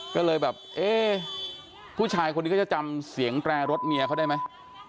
ก็เลยแบบเอ๊ะผู้ชายคนนี้ก็จะจำเสียงแตรรถเมียเขาได้ไหม